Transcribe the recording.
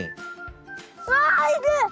うわ！いる！